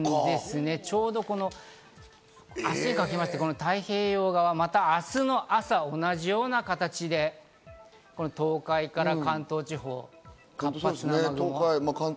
ちょうど明日にかけまして太平洋側、また明日の朝、同じような形で東海から関東地方、活発な雨雲が。